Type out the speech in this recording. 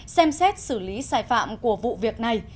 xem xét xử lý sai phạm của vụ việc này